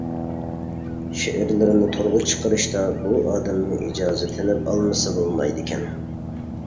شېئىرلىرىنى تورغا چىقىرىشتا بۇ ئادەمنىڭ ئىجازىتىنى ئالمىسا بولمايدىكەن.